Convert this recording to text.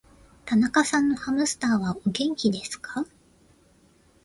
田中さんのハムスターは、お元気ですか。